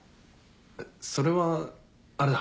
えっそれはあれだ。